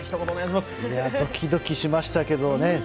どきどきしましたけどね。